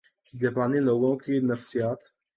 جاپانی لوگوں کی نفسیات